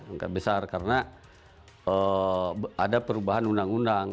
nggak besar karena ada perubahan undang undang